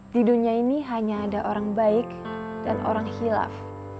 di dunia ini hanya ada orang baik dan orang hilaf